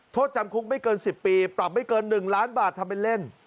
โทษจำคุกไม่เกิน๑๐ปีปรับไม่เกิน๑ล้านบาททำเป็นเล่น